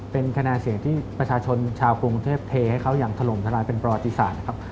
เป็นคะแนนเสียงที่ประชาชนชาวกรุงเทพเทให้เขาอย่างถล่มทลายเป็นประวัติศาสตร์นะครับ